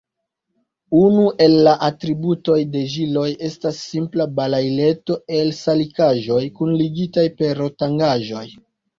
Unu el la atributoj de ĵiloj estas simpla balaileto el salikaĵoj, kunligitaj per rotangaĵoj.